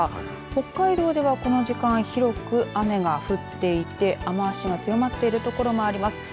北海道では、この時間広く雨が降っていて雨足が強まっている所もあります。